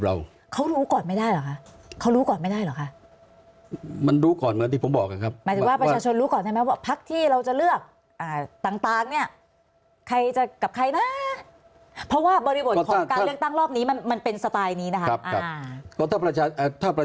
หมายถึงว่าประชาชนรู้ก่อนใช่ไหมว่าพักที่เราจะเลือกต่างเนี่ยใครจะกับใครนะเพราะว่าบริบทของการเลือกตั้งรอบนี้มันเป็นสไตล์นี้นะครับ